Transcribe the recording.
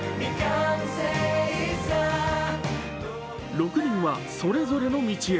６人はそれぞれの道へ。